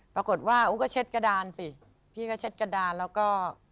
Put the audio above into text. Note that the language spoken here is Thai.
ปรากฏว่าอู้ก็เช็ดกระดานสิพี่ก็เช็ดกระดานแล้วก็